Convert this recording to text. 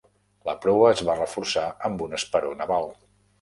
La proa es va reforçar amb un esperó naval.